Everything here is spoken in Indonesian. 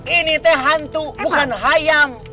ini teh hantu pohon hayam